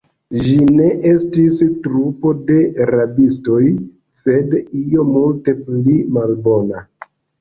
Ĝi ne estis trupo de rabistoj, sed io multe pli malbona.